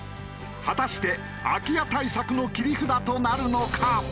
果たして空き家対策の切り札となるのか？